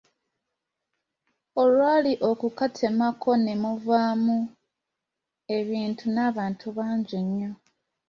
Olwali okukatemako ne muvamu ebintu n’abantu bangi nnyo.